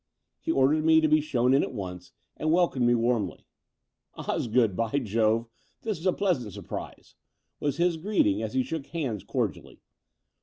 He ordered me to be shown in at once and wel comed me warmly. "Osgood, by Jove, this is a pleasant surprise,*' was his greeting, as he shook hands cordially.